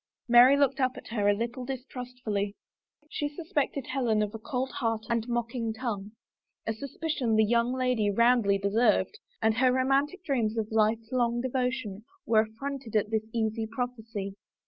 Mary looked up at her a little distrustfully. She sus pected Helen of a cold heart and mocking tongue — a suspicion the young lady roundly deserved — and her romantic dreams of life long devotion were affronted at this easy prophecy.